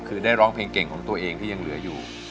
คือได้ร้องเพลงเก่งของตัวเองที่ยังเหลืออยู่